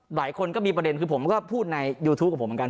หลายคนก็มีประเด็นคือผมก็พูดในยูทูปกับผมเหมือนกัน